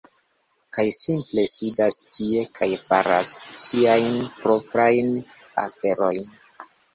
Kaj simple sidas tie kaj faras siajn proprajn aferojn...